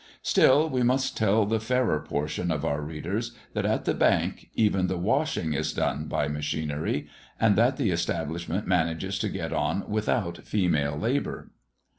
Still we must tell the fairer portion of our readers that at the Bank even the washing is done by machinery, and that the establishment manages to get on without female labour.